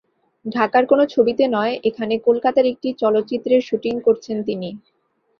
ঢাকার কোনো ছবিতে নয়, এখানে কলকাতার একটি চলচ্চিত্রের শুটিং করছেন তিনি।